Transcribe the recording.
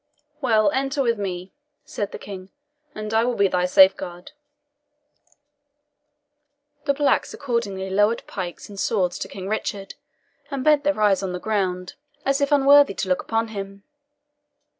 "Well, enter with me," said the King, "and I will be thy safeguard." The blacks accordingly lowered pikes and swords to King Richard, and bent their eyes on the ground, as if unworthy to look upon him.